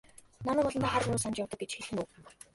Намайг олондоо хар буруу санаж явдаг гэж хэлэх нь үү?